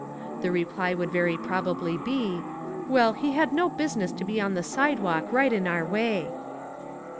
The reply would very probably be, "Well, he had no business to be on the sidewalk, right in our way."